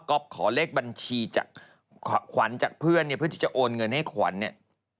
ขอเลขบัญชีขวัญจากเพื่อนเพื่อแต่จะโอนเงินให้ขวัญ